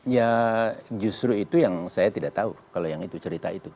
ya justru itu yang saya tidak tahu kalau yang itu cerita itu